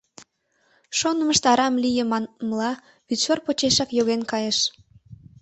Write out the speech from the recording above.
Шонымышт арам лие, манмыла, вӱдшор почешак йоген кайыш.